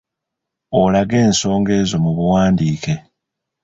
Olage ensonga ezo mu buwandiike.